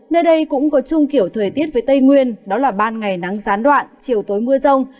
nơi đây cũng có chung kiểu thời tiết với tây nguyên đó là ban ngày nắng gián đoạn chiều tối mưa rông